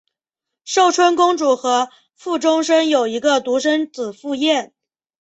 寿春公主和傅忠生有一个独生子傅彦。